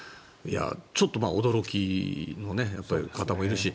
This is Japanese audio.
ちょっと驚きの方もいるし。